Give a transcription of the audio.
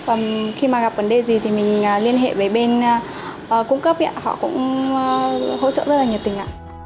và khi gặp vấn đề gì thì mình liên hệ với bên cung cấp họ cũng hỗ trợ rất nhiệt tình